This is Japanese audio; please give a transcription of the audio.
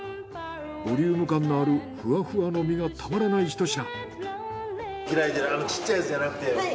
ボリューム感のあるフワフワの身がたまらない一品。